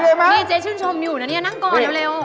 เอ๋อเหมือนเมื่อกี้ล้อมเจ๊ชื่นชมอยู่นะนี่นั่งก่อนเร็ว